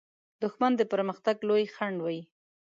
دښمن د پرمختګ لوی خنډ وي